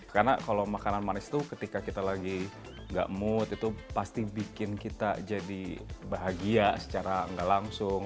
karena kalau makanan manis itu ketika kita lagi nggak mood itu pasti bikin kita jadi bahagia secara nggak langsung